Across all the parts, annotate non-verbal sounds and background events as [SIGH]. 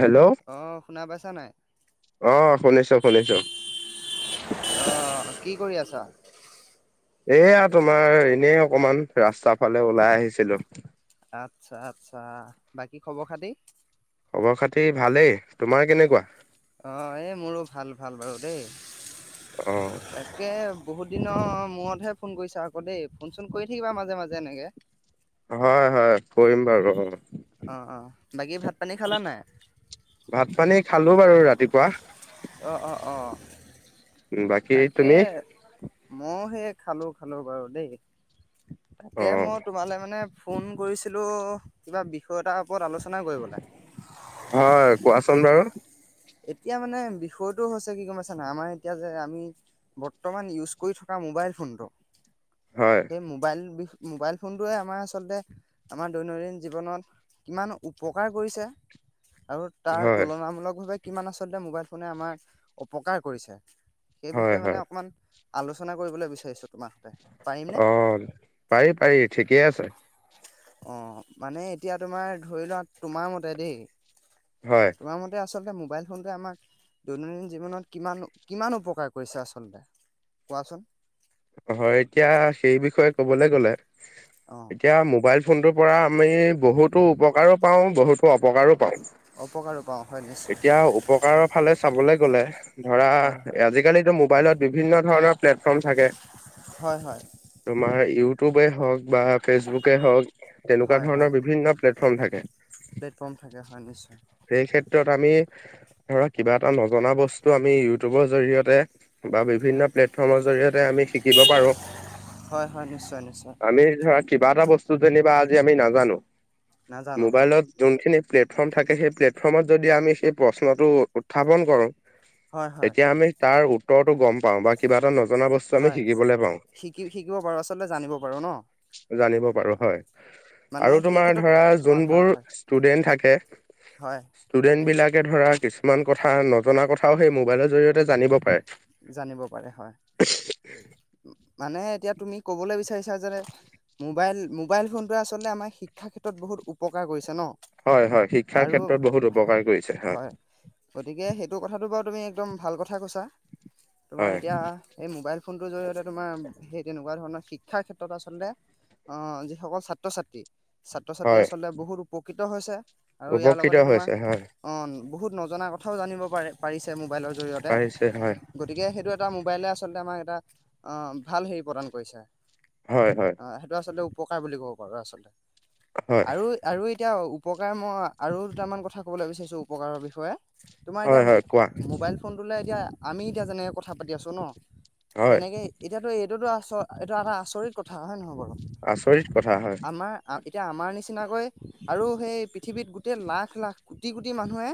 Hello. অ' শুনা পাইছা নাই? অ' শুনিছোঁ শুনিছোঁ। অ' কি কৰি আছা? এয়া তোমাৰ এনেই অকমান ৰাস্তাৰ ফালে ওলাই আহিছিলোঁ। আচ্ছা আচ্ছা। বাকী খবৰ খাতি? খবৰ খাতি ভালেই। তোমাৰ কেনেকুৱা? অঁ এই মোৰো ভাল ভাল বাৰু দেই। অ তাকে বহুত দিনৰ মূৰতহে ফোন কৰিছাঁ আকৌ দেই ফোন চোন কৰি থাকিবা মাজে মাজে এনেকে। হয় হয়। কৰিম বাৰু অ অ অ বাকী ভাত পানী খালা নাই? ভাত পানী খালোঁ বাৰু ৰাতিপুৱা। অঁ অঁ অঁ। বাকী তাকে তুমি মই সেই খালোঁ খালোঁ বাৰু দেই। অ তাকে মই তোমালৈ মানে ফোন কৰিছিলোঁ কিবা বিষয় এটা ওপৰত আলোচনা কৰিবলৈ। হয় কোৱাচোন বাৰু এতিয়া মানে বিষয়টো হৈছে কি গম পাইছা নাই আমাৰ এতিয়া যে আমি বৰ্তমান ইউজ কৰি থকা মোবাইল ফোনটো হয় সেই মোবাইল মোবাইল ফোনটোৱে আমাৰ আচলতে আমাৰ দৈনন্দিন জীৱনত কিমান উপকাৰ কৰিছে। আৰু তাৰ হয় তুলনামূলকভাৱে কিমান আচলতে মোবাইল ফোনে আমাৰ অপকাৰ কৰিছে। সেই হয় বিষয়ে মানে হয় অকণমান আলোচনা কৰিবলৈ বিচাৰিছোঁ তোমাৰ সতে। পাৰিমনে? অ পাৰি পাৰি ঠিকেই আছে। অ মানে এতিয়া তোমাৰ ধৰি লোৱা তোমাৰ মতে দেই। হয়। তোমাৰ মতে আচলতে মোবাইল ফোনটোৱে আমাৰ দৈনন্দিন জীৱনত কিমান কিমান উপ কাৰ কৰিছে আচলতে কোৱাচোন? হয় এতিয়া সেই বিষয়ে ক'বলৈ গ'লে অঁ এতিয়া মোবাইল ফোনটোৰ পৰা আমি বহুতো উপকাৰো পাওঁ বহুতো অপকাৰো পাওঁ। [UNINTELLIGIBLE] এতিয়া উপকাৰৰ ফালে চাবলে গ'লে ধৰা হয় হয় আজিকালিতো মোবাইলত বিভিন্ন ধৰণৰ প্লেটফৰ্ম থাকে। হয় হয়। তোমাৰ ইউটিউবে হওক বা ফেচবুকে হওক। তেনেকুৱা হয় হয় ধৰণৰ বিভিন্ন প্লেটফৰ্ম থাকে। প্লেটফৰ্ম থাকে হয় নিশ্চয় সেই ক্ষেত্ৰত আমি ধৰা কিবা এটা নজনা বস্তু আমি ইউটিউবৰ জৰিয়তে বা বিভিন্ন হয় প্লেটফৰ্মৰ জৰিয়তে আমি শিকিব পাৰো হয় হয় নিশ্চয় নিশ্চয়। আমি ধৰা কিবা এটা বস্তু যেনিবা আজি আমি নাজানো নাজানো হয় মোবাইলত যোনখিনি প্লেটফৰ্ম থাকে সেই প্লেটফৰ্মত যদি আমি সেই প্ৰশ্নটো উত্থাপন কৰোঁ হয় হয় তেতিয়া আমি তাৰ উত্তৰটো গম পাওঁ বা কিবা এটা নজনা বস্তু হয় শিকিবলৈ পাওঁ শিকি শিকিব পাৰোঁ আচলতে জানিব পাৰোঁ ন। জানিব পাৰোঁ অ, হয়। মানে আৰু সেই তোমাৰ ক্ষেত্ৰত ধৰা অ হয় যোনবোৰ হয় ষ্টুডেন্ট থাকে। হয়। ষ্টুডেন্ট বিলাকে ধৰা কিছুমান কথা নজনা কথাও সেই মোবাইলৰ জৰি়য়তে জানিব পাৰে। জানিব পাৰে হয়। মানে এতিয়া তুমি ক'বলৈ বিচাৰিছা যে মোবাইল মোবাইল ফোনটোৱে আচলতে আমাৰ শিক্ষা ক্ষেত্ৰত বহুত উপকাৰ কৰিছে ন। হয় হয় শিক্ষাৰ আৰু ক্ষেত্ৰত বহুত উপকাৰ কৰিছে হয়। গতিকে সেইটো কথাটো বাৰু তুমি একদম ভাল কথা কৈছা তোমাৰ হয় এতিয়া এই মোবাইল ফোনটোৰ জৰিয়তে তোমাৰ সেই তেনেকুৱা ধৰণৰ শিক্ষাৰ ক্ষেত্ৰত আচলতে আহ যিসকল ছাত্ৰ -ছাত্ৰী ছাত্ৰ -ছাত্ৰী হয় আচলতে বহুত উপকৃত হৈছে। আৰু ইয়াৰ উপকৃত লগতে হৈছে তোমাৰ হয় অ' বহুত নজনা কথাও জানিব পাৰি পাৰিছে মোবাইলৰ জৰিয়তে। পাৰিছে হয়। গতিকে সেইটো এটা মোবাইলে আচলতে আমাক এটা অ' ভাল হেৰি প্ৰদান কৰিছে। হয়, হয়। অ সেইটো আচলতে উপকাৰ বুলি ক'ব পাৰো আচলতে হয় আৰু আৰু এতিয়া উপকাৰ মই আৰু দুটামান কথা ক'বলৈ বিচাৰিছোঁ উপকাৰৰ বিষয়ে। তোমাৰ হয় এতিয়া হয় কোৱা মো-মোবাইল ফোন ফোনটোলে এতিয়া আমি এতিয়া যেনেকে কথা পাতি আছো ন। হয় তেনেকে এতিয়াতো এইটোতো আচ এইটো এটা আচৰিত কথা হয় নহয় বাৰু! আচৰিত কথা হয় আমাৰ এতিয়া আমাৰ নিচিনাকৈ আৰু সেই পৃথিৱীত গোটেই লাখ লাখ কোটি কোটি মানুহে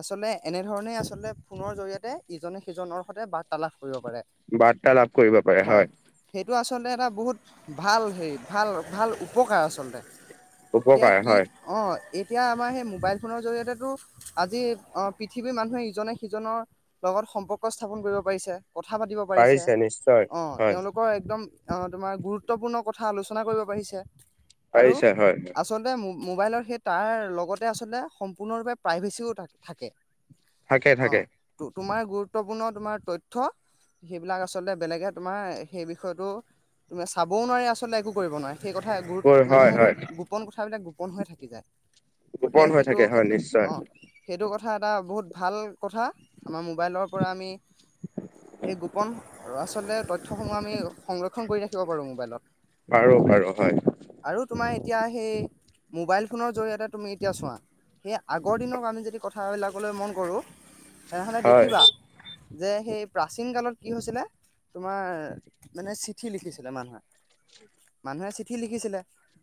আচলতে এনেধৰণেই আচলতে ফোনৰ জৰিয়তে ইজনে সিজনৰ সতে বাৰ্তালাপ কৰিব পাৰে। বাৰ্তা লাভ কৰিব পাৰে হয়। সেইটো আচলতে এটা বহুত ভাল হেৰি ভাল ভাল উপকাৰ আচলতে। এতিয়া উপকাৰ কি হয় অ' এতিয়া আমাৰ সেই মোবাইল ফোনৰ জৰিয়তেটো আজি অ' পৃথিৱীৰ মানুহে ইজনে সিজনৰ লগত সম্পৰ্ক স্থাপন কৰিব পাৰিছে। কথা পাতিব পাৰিছে। নিশ্চয় অ' হয় তেওঁলোকৰ একদম অ' তোমাৰ গুৰুত্বপূৰ্ণ কথা আলোচনা কৰিব পাৰিছে আৰু পাৰিছে হয় আচল লতে মোবাইলৰ সেই তাৰ লগতে আচলতে সম্পূৰ্ণৰূপে প্ৰাইভেচিও থা-থাকে। থাকে থাকে অ', তোমাৰ গুৰুত্বপূৰ্ণ তোমাৰ তথ্য সেইবিলাক আচলতে বেলেগে তোমাৰ সেই বিষয়টো তুমি চাবও নোৱাৰি আচলতে একো কৰিব নোৱাৰে। সেই কথা গুৰুত মানে হয় সেইটো হয় গোপন কথাবিলাক গোপন হৈ থাকি যায়। গোপন গতিকে হৈ সেইটো থাকে হয় ক্ষেত্ৰত নিশ্চয় অ' সেইটো কথা এটা বহুত ভাল কথা। আমাৰ মোবাইলৰ পৰা আমি সেই গোপন ল'ৰা ছোৱালীয়ে তথ তথ্যসমূহ আমি সংৰক্ষণ কৰি ৰাখিব পাৰোঁ মোবাইলত। পাৰো পাৰো হয়। আৰু তোমাৰ এতিয়া সেই মোবাইল ফোনৰ জৰিয়তে তুমি এতিয়া চোৱা। সেই আগৰ দিনৰ আমি যদি কথাবিলাকলৈ মন কৰো। তেনেহলে হয় দেখিবা যে সেই প্ৰাচীন কালত কি হৈছিলে। তোমাৰ মানে চিঠি লিখিছিলে মানুহে, মানুহে চিঠি লিখিছিলে।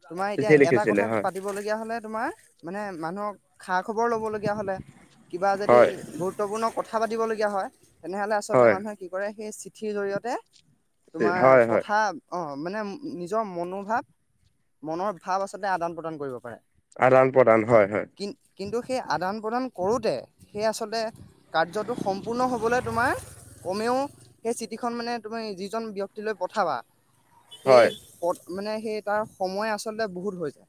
তোমাৰ এতিয়া চিঠি এটা কথা লিখিছিলে পাতি হয় পাতিব লগীয়া হ'লে তোমাৰ মানে মানুহক খা খবৰ ল'ব হ'লে কিবা যদি হয় গুৰুত্বপূৰ্ণ কথা পাতিবলগীয়া হয় তেনেহ'লে আচলতে হয় মানুহে কি কৰে সেই চিঠিৰ জৰিয়তে তোমাৰ হয় হয় কথা অ', মানে নিজৰ মনোভাৱ মনৰ ভাৱ আচলতে আদান প্ৰদান কৰিব পাৰে। আদান প্ৰদান আহ হয় হয়। কি কিন্তু সেই আদান প্ৰদান কৰোঁতে সেই আচলতে কাৰ্যটো সম্পূৰ্ণ হ'বলৈ তোমাৰ কমেও সেই চিটিখন মানে তুমি যিজন ব্যয়ক্তিলৈ পঠাবা। সেই হয় পথ মানে সেই তাৰ সময় আচলতে বহুত হৈ যায়।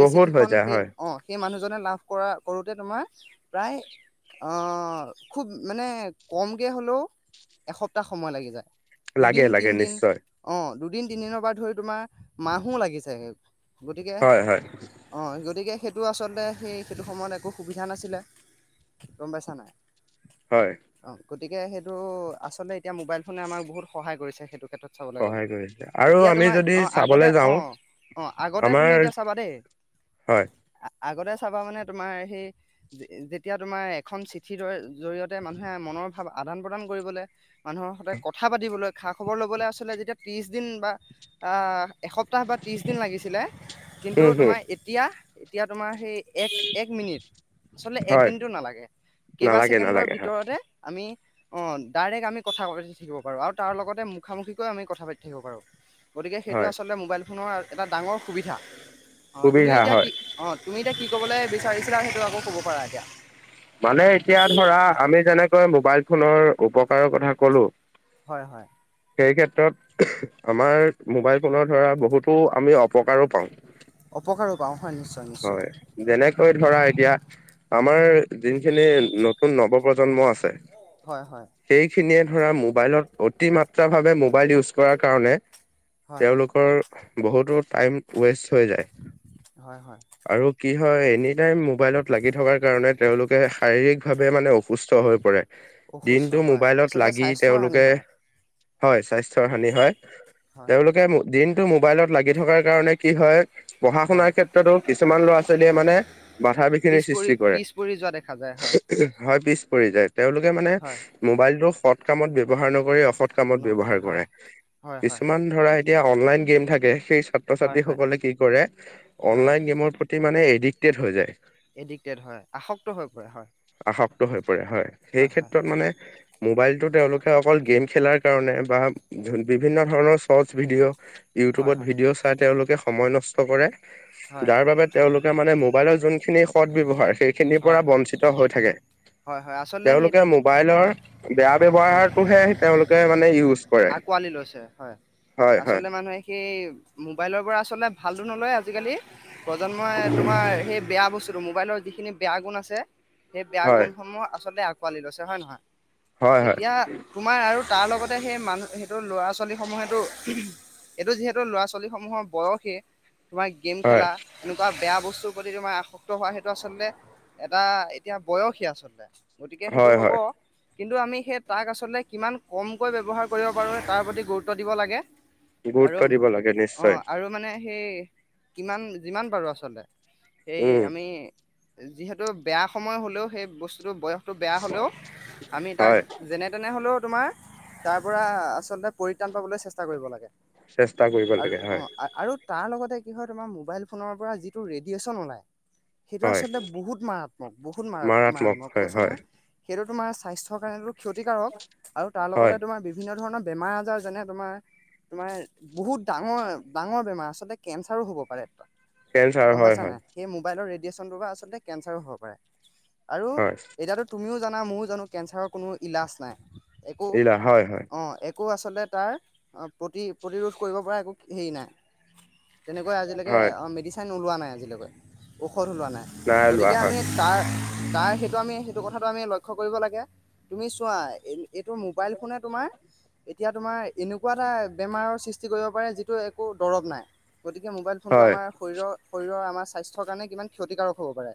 সেই বহুত হৈ চিঠিখনন যায় সেই হয় অ'। সেই মানুহজনে লাভ কৰা কৰোঁতে তোমাৰ প্ৰায় অ'। অ', খুব মানে কমকৈ হ'লেও এসপ্তাহ সময় লাগি যায়। লাগে দুদিন লাগে তিনিদিন নিশ্চয় অ' দুদিন তিনিদিনৰ পৰা ধৰি তোমাৰ মাহো লাগি যায়গে। গতিকে হয় হয় অ', গতিকে সেইটো আচলতে সেই সেইটো সময়ত একো সুবিধা নাছিলে, গম পাইছা নাই? হয় অ' গতিকে সেইটো আচলতে এতিয়া মোবাইল ফোনে আমাক বহুত সহায় কৰিছে সেইটো ক্ষেত্ৰত। চাবলৈ গ'লে। সহায় কৰিছে আৰু এতিয়া আমি তোমাৰ যদি অ' আগতে চাবলৈ যাওঁ অ' অ' আগতে তুমি আমাৰ এতিয়া চাবা দেই হয় আগতে চাবা মানে তোমাৰ সেই, যেতিয়া তোমাৰ এখন চিঠিৰ দৰে জৰিয়তে মানুহে মনৰ ভাৱ আদান-প্ৰদান কৰিবলৈ মানুহৰ সৈতে কথা পাতিবলৈ, খা-খবৰ লবলৈ আচলতে যেতিয়া ত্ৰিশ দিন বা আহ এসপ্তাহ বা ত্ৰিশ দিন লাগিছিলে, কিন্তু উম হম তোমাৰ এতিয়া-এতিয়া তোমাৰ সেই এক-এক মিনিট, আচলতে এক হয় মিনিটো নালাগে কেইবা নালাগে নালাগে হয় ওপৰতে আমি অ' ডাইৰেক্ট আমি কথা পাতি থাকিব পাৰোঁ, আৰু তাৰ লগতে মুখামুখিকৈ আমি কথা পাতি থাকিব পাৰোঁ। গতিকে সেইটো হয় আচলতে মোবাইল ফোনৰ এটা ডাঙৰ সুবিধা। অ' তুমি সুবিধা এতিয়া হয় কি অ' তুমি এতিয়া কি ক'বলে বিচাৰিছিলা সেইটো আকৌ ক'ব পাৰা এতিয়া মানে এতিয়া ধৰা আমি যেনেকৈ মোবাইল ফোনৰ উপকাৰৰ কথা কলোঁ। হয়-হয়। সেই ক্ষেত্ৰত আমাৰ মোবাইল ফোনৰ ধৰা বহুতো আমি অপকাৰো পাওঁ। অপকাৰো পাওঁ, হয় নিশ্চয়। নিশ্চয়। হয়। যেনেকৈ ধৰা এতিয়া আমাৰ যোনখিনি নতুন নৱ প্ৰজন্ম আছে। হয়-হয়। সেইখিনিয়ে ধৰা মোবাইলত অতি মাত্ৰা ভাৱে মোবাইল ইউজ কৰাৰ কাৰণে হয়, তেওঁলোকৰ বহুতো টাইম ওৱেষ্ট হৈ যায়। হয়-হয়। আৰু কি হয় এনি টাইম মোবাইলত লাগি থকাৰ কাৰণে তেওঁলোকে শাৰীৰিকভাৱে মানে অসুস্থ হৈ পৰে। অসুস্থ দিনটো হয়, মোবাইলত আচলতে লাগি স্বাস্থ্যৰ হানি তেওঁলোকে হয়। হয়, স্বাস্থ্যৰ হানি হয়। হয়, হয়। তেওঁলোকে দিনটো মোবাইলত লাগি থকাৰ কাৰণে কি হয় হয় পঢ়া-শুনাৰ ক্ষেত্ৰত ক্ষেত্ৰতো কিছুমান ল'ৰা-ছোৱালীয়ে মানে বাধা-বিঘিনি সৃষ্টি কৰে। উৰি যোৱা দেখা যায়। হয়, হয় পিছ পৰি যায়। তেওঁলোকে মানে হয়। মোবাইলটো সৎ কামত ব্যৱহাৰ নকৰি, অসৎ কামত নকৰে ব্যৱহাৰ কৰে। হয়, হয়, হয়, কিছুমান [UNINTELLIGIBLE] ধৰা এতিয়া অনলাইন গেম থাকে, সেই হয়, হয়, ছাত্ৰ-ছাত্ৰীসকলে কি কৰে? হয়। অনলাইন গেমৰ প্ৰতি মানে এডিকটেড হৈ যায়। এডিক্টেড হয়, আসক্ত হৈ পৰে হয়। আসক্ত হৈ পৰে হয়। সেই ক্ষেত্ৰত মানে মোবাইলটো তেওঁলোকে অকল গেম খেলাৰ কাৰণে বা বিভিন্ন ধৰণৰ ছটচ ভিডিঅ' হয় ইউটিউবত হয় ভিডিঅ' চাই তেওঁলোকে সময় নষ্ট কৰে। হয় যাৰ বাবে তেওঁলোকে মানে মোবাইলৰ যোনখিনি সৎত ব্যৱহাৰ সেইখিনিৰ পৰা হয় বঞ্চিত হৈ থাকে। হয় হয় আচলতে সেই তেওঁলোকে মোবাইলৰ হয় বেয়া ব্যৱহাৰটোহে তেওঁলোকে মানে ইউজ কৰে। আকোঁৱালি লৈছে হয়, হয় হয় আচলতে মানুহে সেই মোবাইলৰ পৰা আচলতে ভালটো নলয় আজিকালি প্ৰজন্মই তোমাৰ সেই বেয়া বস্তুটো, মোবাইলৰ যিখিনি বেয়া গুণ আছে। সেই বেয়া হয় গুণসমূহ আচলতে আঁকোৱালি লৈছে হয় নহয়, হয় হয় এতিয়া তোমাৰ আৰু তাৰ লগতে সেই মানুহ, সেইটো ল'ৰা-ছোৱালী সমূহেটো এইটো, যিহেতু ল'ৰা-ছোৱালীসমূহৰ বয়সে তোমাৰ গেম হয় খেলা এনেকুৱা, বেয়া বস্তুৰ প্ৰতি তোমাৰ আসক্ত হোৱা সেইটো আচলতে এটা এতিয়া বয়সেই আচলতে। গতিকে সেইটো হয় হ'ব, হয় কিন্তু আমি সেই টাক আচলতে কিমান কম কৈ ব্যৱহাৰ কৰিব পাৰো, তাৰ প্ৰতি গুৰুত্ব দিব লাগে। গুৰুত্ব আৰু দিব লাগে নিশ্চয় অ', আৰু মানে সেই কিমান যিমান পাৰোঁ আচলতে, সেই উম আমি যিহেতু বেয়া সময় হলেও, সেই বস্তুটো বয়স তো বেয়া হ'লেও, আমি তাক হয় যেনে-তেনে হ'লেও তোমাৰ তাৰ পৰা, আচলতে পৰিত্ৰাণ পাবলৈ চেষ্টা কৰিব লাগে চেষ্টা কৰিব আৰু লাগে হয় অ', আ, আৰু তাৰ লগতে কি হয়, তোমাৰ মোবাইল ফোনৰ পৰা যিটো ৰেডিয়েচন ওলায়। সেইটো হয় আচলতে বহুত মাৰাত্মক, বহুত মাৰ- মাৰাত্মক, হয় কৈছোঁ হয় নহয়, সেইটো তোমাৰ স্বাস্থ্যৰ কাৰণেতো ক্ষতিকাৰক আৰু তাৰ লগতে হয় তুম তোমাৰ বিভিন্ন ধৰণৰ বেমাৰ-আজাৰ যেনে তোমাৰ, তোমাৰ বহুত ডাঙৰ, ডাঙৰ বেমাৰ আচলতে কেঞ্চাৰো হ'ব পাৰে, কেঞ্চাৰ গম হয় পাইছা হয় নাই? সেই মোবাইলৰ ৰেডিয়েচনটোৰ পৰা আচলতে কেঞ্চাৰো হব পাৰে আৰু হয় এতিয়াতো তুমিও জানা ময়ো জানো কেঞ্চাৰৰ কোনো ইলাজ নাই, একো ইলা হয় হয় অ', এক কো আচলতে তাৰ, অ', প্ৰতি প্ৰতিৰোধ কৰিব পৰা একো হেৰি নাই তেনেকৈ আজিলেকে হয় অ', মেডিচিন ওলোৱা নাই আজিলকৈ, ঔষধ ওলোৱা নাই। লোৱা গতিকে হয় আমি তাৰ তাৰ, সেইটো আমি সেইটো কথাটো আমি লক্ষ্য কৰিব লাগে, তুমি চোৱা এই এইটো মোবাইল ফোনে তোমাৰ, এতিয়া তোমাৰ এনেকুৱা এটা, বেমাৰৰ সৃষ্টি কৰিব পাৰে যিটো একো দৰৱ নাই, গতিকে মোবাইল ফোনটো হয় আমাৰ শৰীৰৰ, শৰীৰৰ আমাৰ স্বাস্থ্যৰ কাৰণে কিমান ক্ষতিকাৰক হ'ব পাৰে,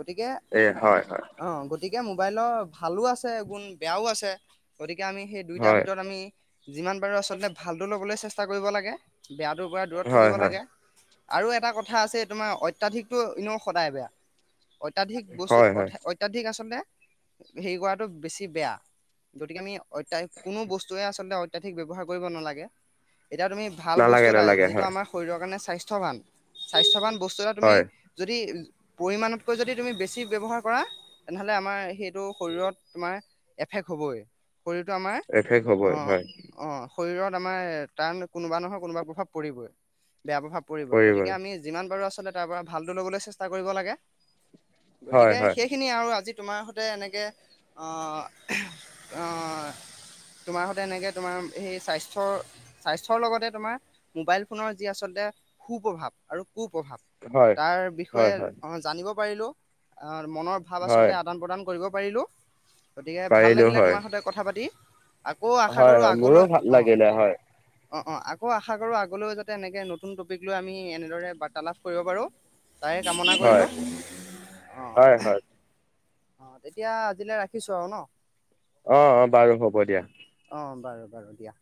গতিকে এ, হয়, হয়। অ', গতিকে মোবাইলৰ ভালো আছে গুণ, বেয়াও আছে, গতিকে আমি সেই দুইটাৰ হয় ভিতৰত আমি যিমান পাৰো আচলতে, ভালটো ল'বলৈ চেষ্টা কৰিব লাগে, বেয়াটো পৰা দূৰত হয় থাকিব হয় লাগে আৰু এটা কথা আছে তোমাৰ অত্যাধিকটো এনেও সদায় বেয়া। অত্যাধিক বস্তু হয় হয় অঠ্য অত্যাধিক আচলতে হেৰি কৰাটো বেছি বেয়া। গতিকে আমি অত্যা কোনো বস্তুৱে আচলতে অত্যাধিক ব্যৱহাৰ কৰিব নালাগে, এতিয়া তুমি ভাল বস্তু নালাগে এটা, নালাগে যিটো হয় আমাৰ শৰীৰৰ কাৰণে স্বাস্থ্যৱান, স্বাস্থ্যৱান বস্তু এটা তুমি হয় যদি, পৰিমাণতকৈ যদি তুমি বেছি ব্যৱহাৰ কৰা। তেনেহ'লে, আমাৰ সেইটো শৰীৰত তোমাৰ এফেক্ট হ'বই। শৰীৰটো আমাৰ এফেক্ট হ'বই অ' হয় অ', শৰীৰত আমাৰ তাৰ মানে কোনোবা নহয় কোনোবা প্ৰভাৱ পৰিবই বেয়া প্ৰভাৱ পৰিবই গতিকে আমি যিমান পাৰোঁ, আচলতে তাৰপৰা ভালটো ল'বলৈ চেষ্টা কৰিব লাগে। হয় গতিকে হয় সেইখিনি আৰু আজি তোমাৰ সৈতে এনেকে অ' অ', তোমাৰ সতে এনেকে তোমাৰ সেই স্বাস্থ্যৰ স্বাস্থ্যৰ লগতে, তোমাৰ মোবাইল ফোনৰ যি আচলতে সু প্ৰভাৱ আৰু কু প্ৰভাৱ হয় তাৰ বিষয়ে হয় হয় অ', জ জানিব পাৰিলোঁ, আ মনৰ ভাৱ হয় আচলতে আদান প্ৰদান কৰিব পাৰিলোঁ। গতিকে, ভাল পাৰিলেও লাগিলে হয় তোমাৰ সৈতে কথা পাতি, আকৌ আশা হয় কৰোঁ হয় মোৰো আগলৈ ভাল অ' লাগিলে হয় অ', অ', আকৌ আশা কৰোঁ আগলৈও যাতে, এনেকৈ, নতুন টপিক লৈ আমি এনেদৰে বাৰ্তালাপ কৰিব পাৰোঁ। তায়ে কামনা হয় কৰিলোঁ অ'। হয় হয় অ' তেতিয়া আজিলে ৰাখিছো আৰু ন'। অ', অ', বাৰু হ'ব দিয়া। অ' বাৰু বাৰু দিয়া।